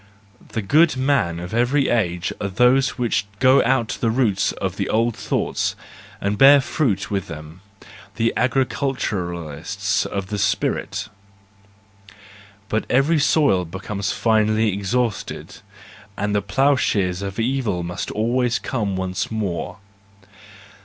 The good men of every age are those who go to the roots of the old thoughts and bear fruit with them, the agriculturists of the spirit. But every soil be¬ comes finally exhausted, and the ploughshare of evil must always come once more.